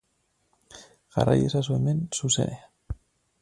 Jarrai ezazu hemen zuzenean.